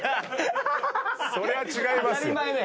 そりゃ違いますよ。